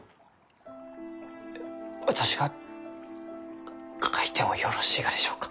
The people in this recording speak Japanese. え私が書いてもよろしいがでしょうか？